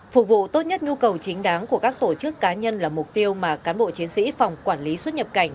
phục vụ tốt nhất nhu cầu chính đáng của các tổ chức cá nhân là mục tiêu mà cán bộ chiến sĩ phòng quản lý xuất nhập cảnh